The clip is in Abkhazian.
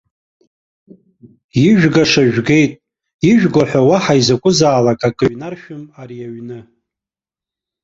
Ижәгаша жәгеит, ижәго ҳәа уаҳа изакәызаалак акы ҩнаршәым ари аҩны.